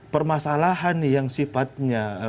permasalahan yang sifatnya